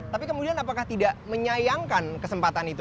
tapi kemudian apakah tidak menyayangkan kesempatan itu